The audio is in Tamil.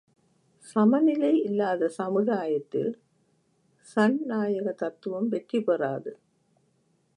சமநிலை இல்லாத சமுதாயத்தில் சண் நாயக தத்துவம் வெற்றி பெறாது.